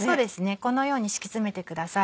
このように敷き詰めてください。